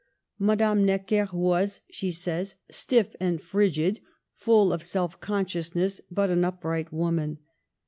Madame Necker was, she says, " stiff and frigid, full of self consciousness, but an upright woman."